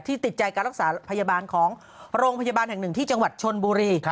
ติดใจการรักษาพยาบาลของโรงพยาบาลแห่งหนึ่งที่จังหวัดชนบุรี